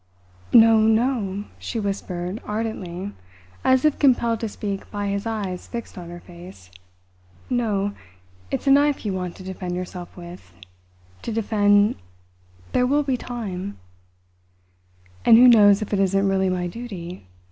"No, no!" she whispered ardently, as if compelled to speak by his eyes fixed on her face. "No, it's a knife you want to defend yourself with to defend there will be time " "And who knows if it isn't really my duty?"